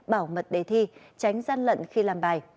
bảo mật đề thi tránh gian lận khi làm bài